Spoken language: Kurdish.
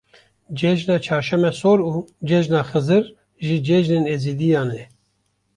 Cejina Çarşema Sor û Cejna Xizir jî cejnên êzîdiyan e.